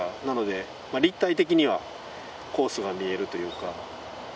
なので立体的にはコースが見えるというか。